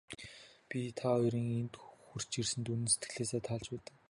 Би та хоёрын энд хүрч ирсэнд үнэн сэтгэлээсээ таалж байна.